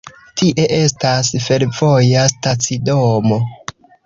Tie estas fervoja stacidomo.